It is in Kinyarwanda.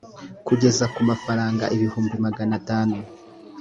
kugeza ku mafaranga ibihumbi magana atanu